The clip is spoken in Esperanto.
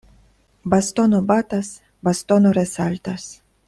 Bastono batas, bastono resaltas.